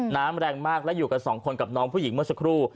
น้ำแรงมากและอยู่กันสองคนกับน้องผู้หญิงเมื่อสักครู่